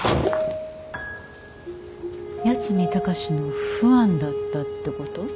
八海崇のファンだったってこと？